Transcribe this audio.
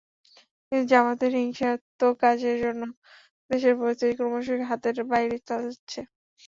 কিন্তু জামায়াতের হিংসাত্মক কাজের জন্য দেশের পরিস্থিতি ক্রমশই হাতের বাইরে চলে যাচ্ছে।